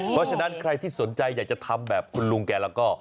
เพราะฉะนั้นใครที่สนใจอยากจะทำแบบคุณลุงแกแล้วก็